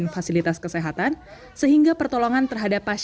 kesulitan saat menjalani isolasi